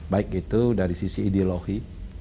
baik itu dari sisi ideologi